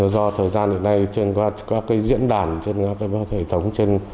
do thời gian hiện nay trên các diễn đàn trên các hệ thống trên